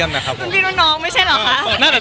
นี่น้องไม่ใช่หรอคะ